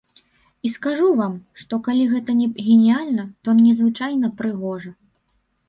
І, скажу вам, што, калі гэта не геніяльна, то незвычайна прыгожа!